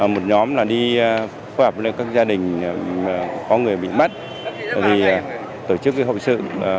một nhóm là đi phối hợp với các gia đình có người bị mất tổ chức hội sự